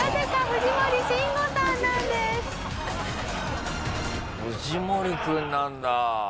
藤森君なんだ。